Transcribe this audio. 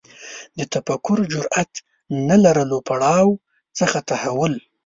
د تفکر جرئت نه لرلو پړاو څخه تحول